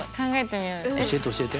教えて教えて。